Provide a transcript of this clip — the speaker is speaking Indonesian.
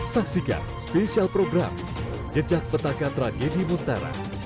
saksikan spesial program jejak petaka tragedi muntara